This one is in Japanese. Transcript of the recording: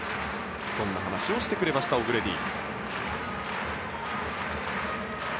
そんな話をしてくれましたオグレディ。